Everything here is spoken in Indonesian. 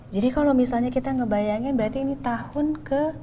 jadi kalau misalnya kita ngebayangkan berarti ini tahun ke sembilan